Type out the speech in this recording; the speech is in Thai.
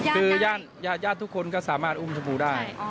คือญาติทุกคนก็สามารถอุ้มชมพูได้